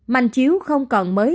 mạnh chiếu không còn mới được thay đổi